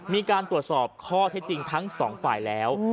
มีการตรวจสอบข้อเท็จจริงทั้งสองฝ่ายแล้ว